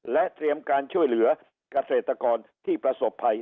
และเตรียมการช่วยเหลือเกษตรกรที่ประสบภัย